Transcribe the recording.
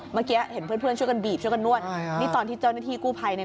เมื่อกี้เห็นเพื่อนช่วยกันบีบช่วยกันนวดนี่ตอนที่เจ้าหน้าที่กู้ภัยเนี่ย